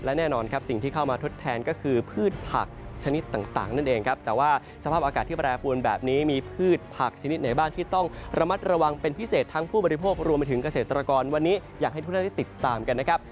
วันนี้อยากให้ทุกคนได้ติดตามกันนะครับ